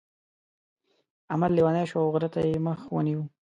احمد لېونی شو او غره ته يې مخ ونيو.